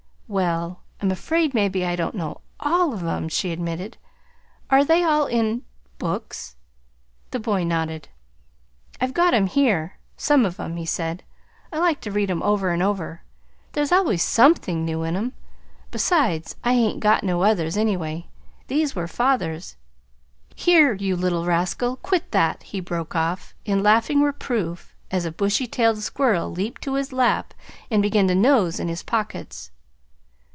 "Well, I'm afraid maybe I don't know ALL of 'em," she admitted. "Are they all in books?" The boy nodded. "I've got 'em here some of 'em," he said. "I like to read 'em over and over. There's always SOMETHING new in 'em. Besides, I hain't got no others, anyway. These were father's. Here, you little rascal quit that!" he broke off in laughing reproof as a bushy tailed squirrel leaped to his lap and began to nose in his pockets.